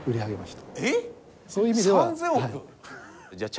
えっ！？３，０００億。